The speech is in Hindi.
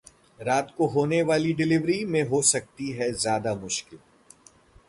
रात को होने वाली डिलीवरी में हो सकती है ज्यादा मुश्किल